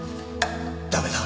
駄目だ。